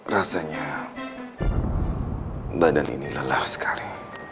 rasanya badan ini lelah sekali